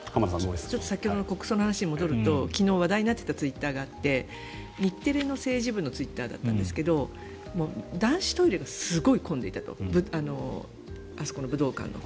国葬の話に戻ると昨日話題になっていたツイッターがあって日テレの政治部のツイッターなんですけど男子トイレがすごい混んでいたと武道館。